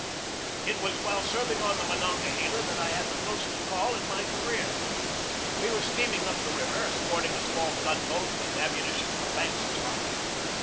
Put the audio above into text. It was while serving on the Monongahela that I had the closest call in my career. We were steam ing up the river, escorting a small gun boat with am munition for Banks's army.